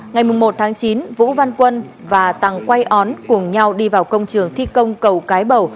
ngày một tháng chín vũ văn quân và tằng quay ón cùng nhau đi vào công trường thi công cầu cái bầu